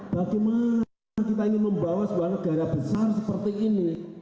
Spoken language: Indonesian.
bagaimana kita ingin membawa sebuah negara besar seperti ini